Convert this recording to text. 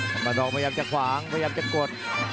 มาดองพยายามจะขวางพยายามจะกด